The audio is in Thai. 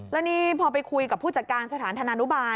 แล้วนี่พอไปคุยกับผู้จัดการสถานธนานุบาล